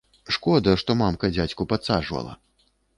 Шкода, што мамка дзядзьку падсаджвала!